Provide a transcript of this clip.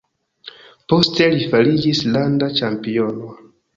Poste li fariĝis landa ĉampiono.